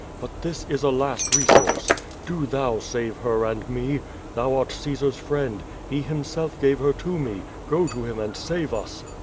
But this is a last resource! Do thou save her and me. Thou art Caesar's friend. He himself gave her to me. Go to him and save us."